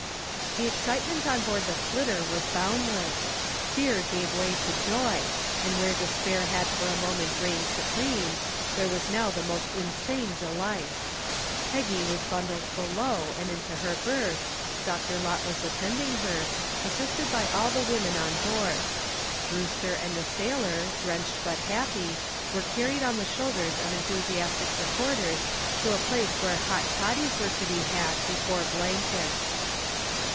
The excitement on board the "Flitter" was boundless. Fear gave way to joy, and where despair had for a moment reigned supreme, there was now the most insane delight. Peggy was bundled below and into her berth, Dr. Lotless attending her, assisted by all the women on board. Brewster and the sailor, drenched but happy, were carried on the shoulders of enthusiastic supporters to a place where hot toddies were to be had before blankets.